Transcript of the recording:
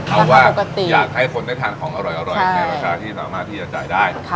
เอาว่าอยากให้คนได้ทานของอร่อยในราคาที่สามารถที่จะจ่ายได้